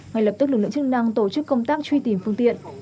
ngay lập tức lực lượng chức năng tổ chức công tác truy tìm phương tiện